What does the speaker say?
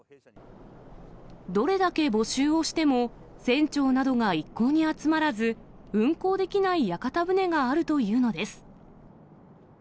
どれだけ募集をしても、船長などが一向に集まらず、運航できない屋形船があるというのです。